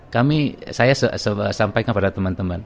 kami saya sampaikan pada teman teman